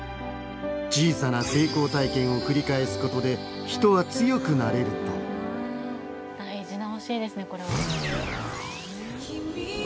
小さな成功体験を繰り返すことで人は強くなれると大事な教えですねこれは。